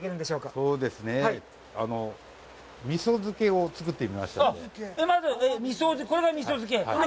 そうですねぇ、味噌漬けを作ってみましたので。